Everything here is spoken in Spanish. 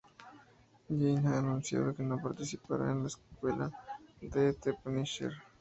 Jane ha anunciado que no participará en la secuela de "The Punisher".